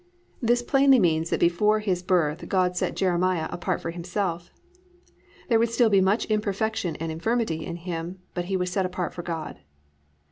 "+ This plainly means that before his birth God set Jeremiah apart for Himself. There would still be much imperfection and infirmity in him, but he was set apart for God.